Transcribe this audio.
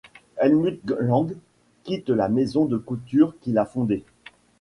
Helmut Lang quitte la maison de couture qu'il a fondée.